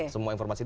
semua informasi ini